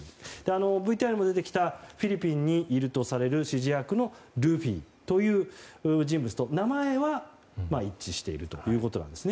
ＶＴＲにも出てきたフィリピンにいるとされる指示役のルフィという人物と名前は一致しているということなんですね。